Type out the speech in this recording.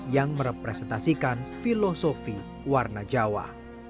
yang merepresentasikan filosofi warna jawa